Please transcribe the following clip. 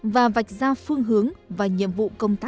và vạch ra phương hướng và nhiệm vụ công tác